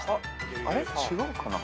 あれ違うかな？